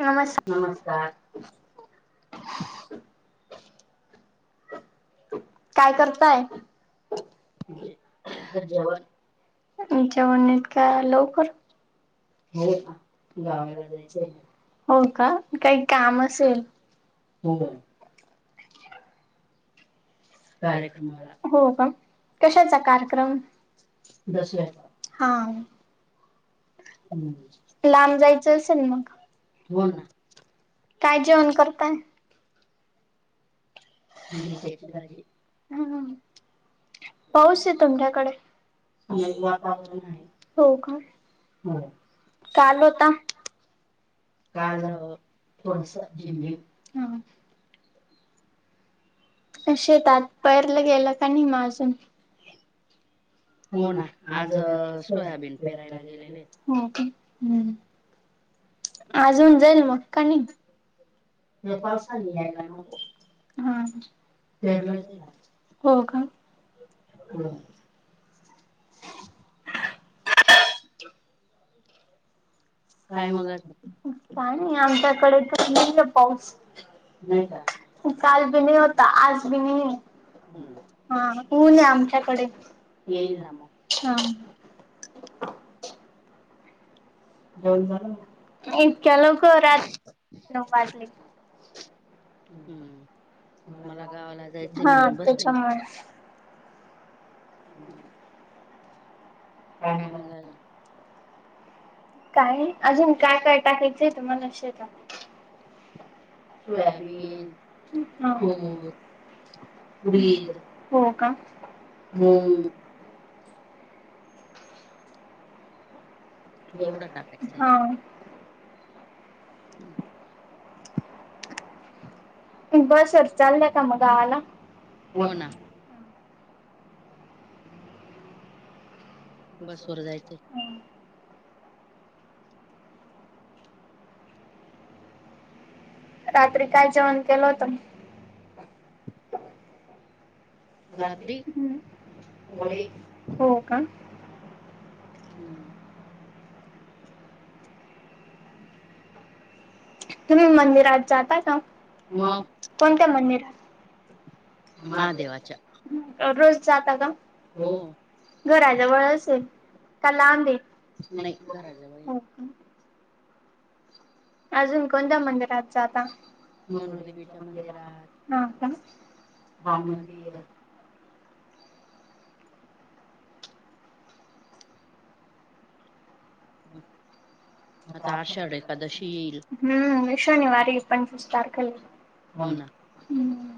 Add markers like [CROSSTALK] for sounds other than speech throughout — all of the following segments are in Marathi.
नमस्क नमस्कार. काय करताय? जे जेवन. जेवण जेवण इतक्या लवकर? हे हो ना गावाला जायचं जायचंय ना [UNINTELLIGIBLE] हो का काही काम असेल. हो कार्यक्रमाला हो का कशाचा कार्यक्रम? दसव्याचा हा हम्म लांब जायचं असेल मग हो ना काय जेवण करताय? दिप्याची भाजी. हमम पाऊस आहे तुमच्याकडे नाही वातावरण आहे हो का? हो काल होता. काल थोडस झिमझिम हां. तशे तातरलं गेलं का नाही मा अजून? हो ना आज सोयाबीन पेरायला गेलेले. हो का हम्म आज होऊन जाईल मग का नी? ते हे पावसाली पावसाने हाय यायला गावं. नको हां पेरलंच आहे का हो का? हो काय मग अजून? काय नाही आमच्याकडे तर नाही आहे पाऊस. नाही का काल बी नाही होता आज बी नाही आहे. हम्म हा हा ऊन आहे आमच्याकडे येईल ना मग हां. जेवण झालं का? इतक्या लवकर [INAUDIBLE] वाजले. हम्म मला गावाला जायचंय हा म्हणून बसले मी त्याच्यामुळे पण. हम्म. काय मागायला काही अजून काय-काय टाकायचंय तुम्हाला शे का. सोयाबीन, तूअर, मूग, तूर तुरी हो का? मूंग एवढा टाकायचाय हावं हम्म. [UNINTELLIGIBLE] बसवर चाललंय का म गावाला? हो ना. बसवर जायचं आहे. रात्री काय जेवण केलं होतं म? रात्री हम्म वडे हो का? हम्म. ह तुम्ही मंदिरात जाता का? कोणत्या मंदिरात? महादेवाच्या रोज जाता का? हो घराजवळच आहे का लांब आहे? नाही घराजवळ हाय. हो का? अजून कोणत्या मंदिरात जाता? मनुदेवीच्या मंदिरात. हां का? राम [INAUDIBLE] दीर आता आरषाढ एकादशी येईल. हम्म शनिवारी पण पंचवीस तारखेला आहे हो ना हम्म.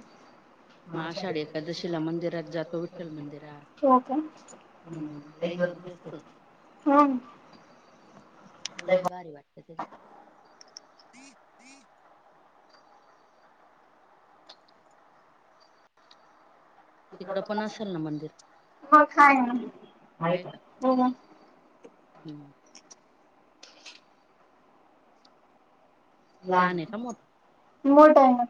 मग आषाढ एकादशीला मंदिरात जातो विठ्ठल मंदिरात हो का? हम्म लई गर्दी असते. होन लय भारी वाटते तिथं. तिकडं पण असेल ना मंदिर मग काय ना आहे का? हम्म. लहान आहे का मोठं मोट हाय ना.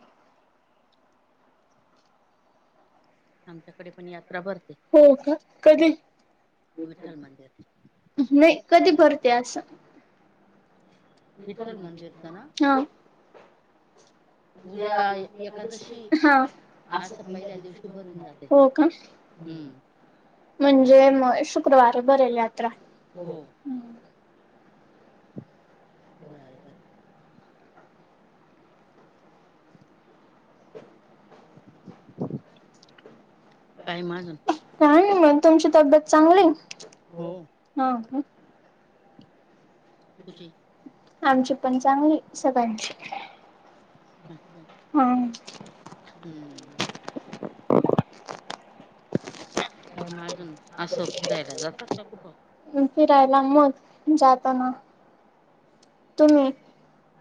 आमच्याकडे पण यात्रा भरते. हो का कधी? विठ्ठल मंदिर नाही कधी भरते आसं? विठ्ठल मंदिरच ना हा. उद्या एकादशी हा असं पहिल्या दिवशी भरून जाते हो का? हम्म म्हणजे म शुक्रवार भरेल यात्रा. हो नारळी भात. टाईम हाय आझून काय नाही मंग तुमची तब्येत चांगली ए? हो हा का? कुठे? आमची पण चांगली सगळ्यांची. अच्छा. हां. हू म. काय म अजून, असो फिरायला जातात का कुठं? [UNINTELLIGIBLE] फिरायला मग जाताना तुम्ही,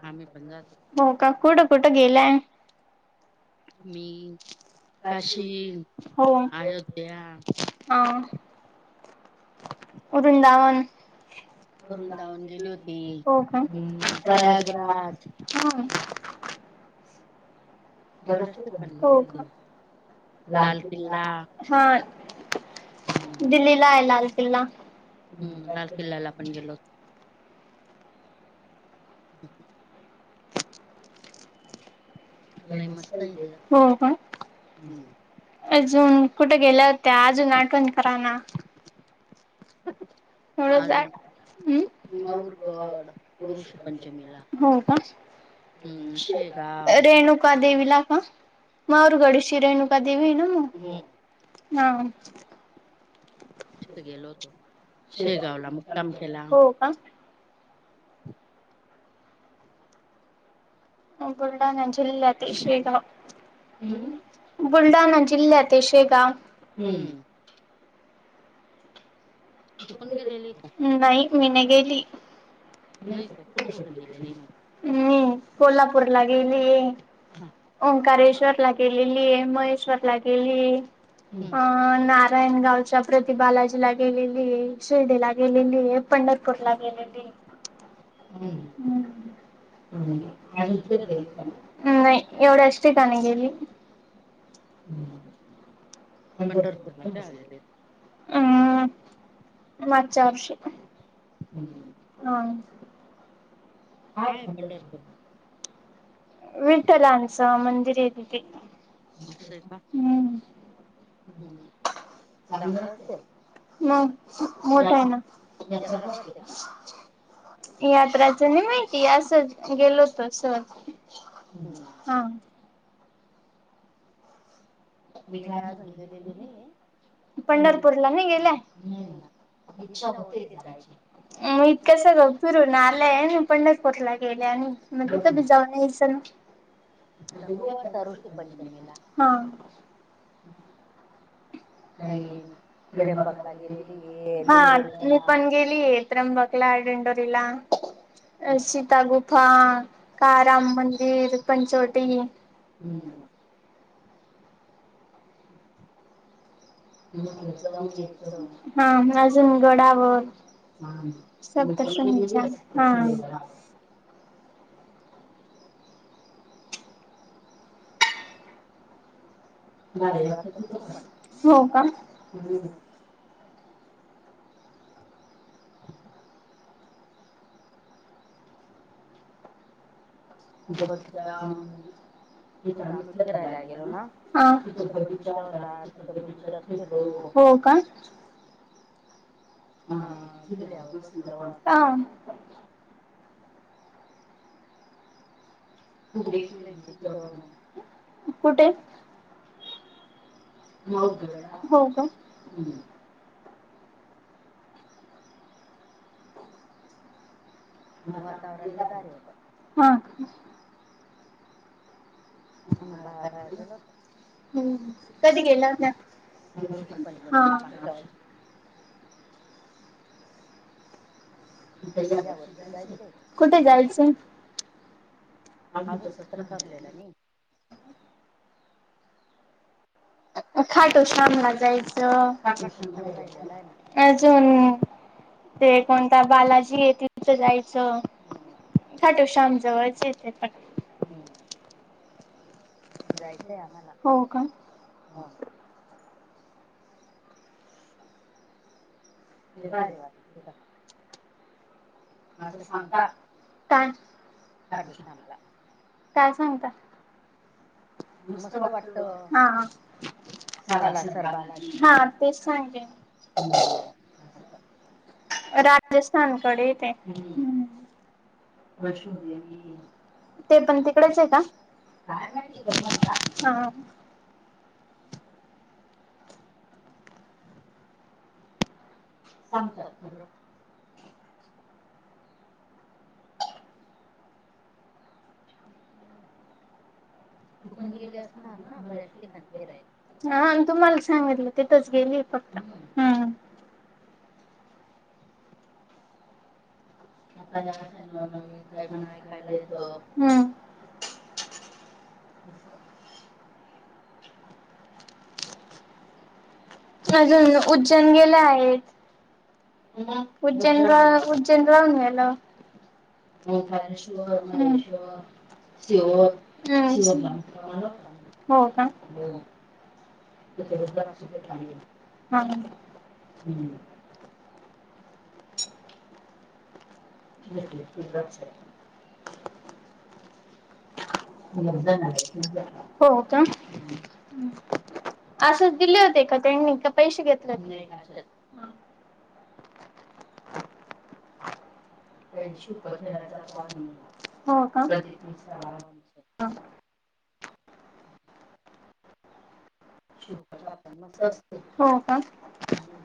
आम्ही पण जातो हो का? कुठं कुठं गेलाय? मी अ हो. अयोध्या हा उरूनदावन वृंदावन गेली होती हो का? हम्म प्रयागराज हा. बरस्ते पण हो गेले होते. का? लाल किल्ला हुं. कुठ हाय लाल किल्ला? हूम्म लाल किल्लाला पण गेलो. [INAUDIBLE] होतो लय मस्त आहे ते हो का? हम्म अजून कुठे गेल्या होत्या, आजून आठवण करा ना? [UNINTELLIGIBLE] अजून हम् माऊरगड ऋषीपंचमीला हो का? हम्म शेगाव रेणु नुका देवी ला का मग? माहूर गडशी रेणुकादेवी आहे ना मग. हम्म नाम. तीथ गेलो होतो. शेगावला मुक्काम केला. हो का? [INAUDIBLE] बुलढाणा जिल्ह्यात ते शेगाव हम्म बुलढाणा जिल्ह्यात ए शेगाव. हूम्म. तू पण गेलेली का नाही. मी नाही गेली. नाही का? कुठं कुठं गेलेली मग? मी कोल्हापूर ला गेले. हा ओंकारेश्वर ला गेलेलीए, महेश्वर ला गेलि. हम्म अ नारायणगावच्या प्रतिबालाजीला गेले ली, शिर्डी ला गेलेली, पंढरपूरला गेलेली. काय नाही हम्म अजून फिरलेले का [UNINTELLIGIBLE] एवढंच ठिकाणी गेली. [INAUDIBLE] पंढरपूरला काय आलेले उम्म. मागच्या वर्षी हम्म नॉन. काय पंढरपूर [UNINTELLIGIBLE] विठ्ठलांचा मंदिर आहे तिथे. असंय का हम्म हम्म. चांगलं असते म मोठं हो यात्रा ना. यात्रा भरते का यात्राच नाही माहिती असच गेलो तसंच. हम्म हां. मी काय सांगतोय गेली नाही आहे. पंढरपूरला नाही गेलाय? नाही ना इच्छा होते जायची म इतक्याच गव तुरून आलंय पंढरपूरला गेले आणि म हो कधी ना जाऊन येयचा ना. आता बघू आता ऋषी पंचमीला हां. काही त्र्यंबकला गेलेली आहे हा दिंडोरीला मी पण गेलीये. त्र्यंबकला आडेंडर रीला अ सीता गुफा का राम मंदिर पंचवटी हम्म. हम्म म म्हटलं जाऊन यायचं. हा म अजून गडावर हा मी पण [UNINTELLIGIBLE] हां. केलेली आहे भारी वाटत तिथं पण हो का? हम्म बघितला तिथं आम्ही फिरायला गेलो ना [UNINTELLIGIBLE] हां. तिथं बगीचा होता तिथं बगीचात फिरलो हो का? अ झुल्यावर बसलो आम् फुगडी खेळते तिथं. कुठे माऊरगडला हो का? हम्म वातावरण लय भारी होतं. हा का? म्हणून बाहेर बाहेर गेलो होतो हम्म कधी गेलात ना? ऋषी हां. पंचमीला मागच्या वर्षी आता या वर्षी जायचंय कुठं जायचं? अजून तसंच ठरलेलं नी. खाटु शामला जायचं. काटेक्षम राहिलेला आहे ना अजून म ते कोणता बालाजी तिथं जायचं. [UNINTELLIGIBLE] खाटूश्याम जवळच येते पण. नाय आता. जायचंय आम्हाला. हो का? आ हा. लय भारी वाट तिथं. असं सांगता काय खरू थांबला काय सांगता मस्त वाटत त्याला हां. [UNINTELLIGIBLE] सरबालाजी हां तेच सांगते मी. हम्म [UNINTELLIGIBLE] रात्रीस्थानकडेय ते. वैष्णो देवी ते पण तिकडेच हय का? काय माहिती पण म्हणता हां. सांगतात खरं. तू पण गेली असणार ना बऱ्याच ठिकाणी फिरायला? हा अण तुम्हाला सांगितलं तिथंच गेलीय फक्त. हम्म. [INAUDIBLE] आता या अशा नवनवीन काही पण ऐकायला येतं हम्म. [INAUDIBLE] अजून उज्जैन गेले आहेत मग उजैन उज्जैन व जैन राहून गेल. ओंकारेश्वर [UNINTELLIGIBLE] श्वर, सिहोर सिहोरचा सिहोर मुक्काम आला होता ना. [UNINTELLIGIBLE] हो का? हम्म. हो तिथं रुद्राक्ष भेटले [UNINTELLIGIBLE] हां. हम्म [UNINTELLIGIBLE] [UNINTELLIGIBLE] हो का? हम्म. हम्म आसंच दिले होते का त्यांनी? का पैशे घेतलं होतं? नाहीं नाही असच. अशात काही सुपथेला जातो आम्ही [UNINTELLIGIBLE] हो का? [UNINTELLIGIBLE] बाबांच [UNINTELLIGIBLE] मस्त असते हो का हम्म.